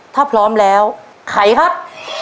ถ้าพร้อมแล้วไขครับ